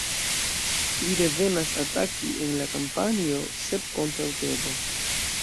Li revenas ataki en la kampanjo "Sep kontraŭ Tebo".